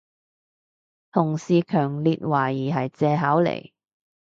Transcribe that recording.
同事強烈懷疑係藉口嚟